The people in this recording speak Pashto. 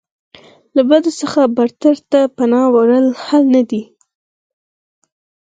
له بد څخه بدتر ته پناه وړل حل نه دی.